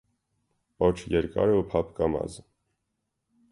Պոչը երկար է ու փափկամազ։